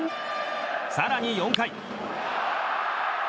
更に４回。